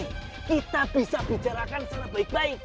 kita bisa bicarakan secara baik baik